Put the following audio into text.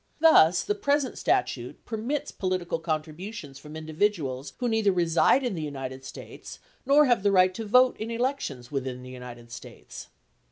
Thus, the present statute permits political contributions from indi viduals who neither reside in the United States nor have the right to vote in elections within the United States.